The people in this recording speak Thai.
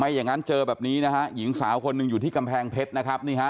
อย่างนั้นเจอแบบนี้นะฮะหญิงสาวคนหนึ่งอยู่ที่กำแพงเพชรนะครับนี่ฮะ